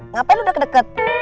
ngapain lu udah kedeket